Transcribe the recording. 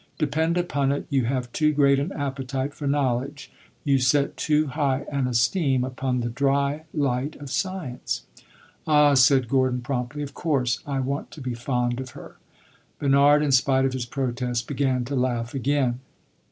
"Depend upon it, you have too great an appetite for knowledge; you set too high an esteem upon the dry light of science." "Ah!" said Gordon promptly; "of course I want to be fond of her." Bernard, in spite of his protest, began to laugh again.